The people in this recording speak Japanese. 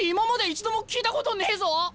一度も聞いたことねえぞ！